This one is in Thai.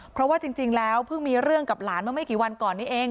เพราะว่าจริงแล้วเพิ่งมีเรื่องกับหลานเมื่อไม่กี่วันก่อนนี้เอง